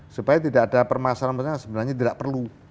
supaya tidak ada permasalahan permasalahan sebenarnya tidak perlu